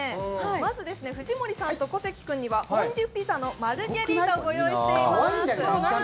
まず藤森さんと小関君には、フォンデュピザのマルゲリータをご用意しています。